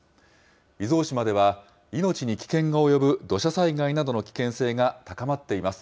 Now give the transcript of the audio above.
伊豆大島では、命に危険が及ぶ土砂災害などの危険性が高まっています。